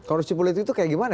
korupsi politik itu kayak gimana